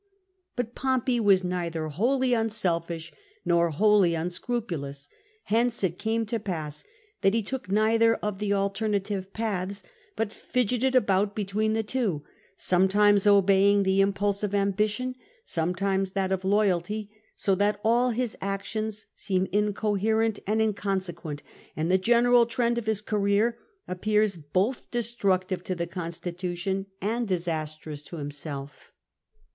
But Pompey was neither wholly unselfish nor wholly unscrupulous. Hence it came to pass that he took neither of the alternative paths, but fidgeted about between the two, sometimes obeying the impulse of ambition, some times that of loyalty, so that all his actions seem inco herent and inconsequent, and the general trend of his career appears both destructive to the constitution and disastroixs to himself.